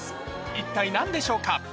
一体何でしょうか？